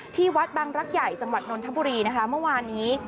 ที่วัดบังรักใหญ่จังหวัดนนทบุรีนะคะเมื่อวานนี้